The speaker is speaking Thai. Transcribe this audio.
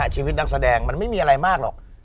ชีวิตนักแสดงมันไม่มีอะไรมากหรอก